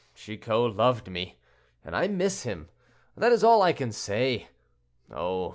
"Chicot loved me, and I miss him; that is all I can say. Oh!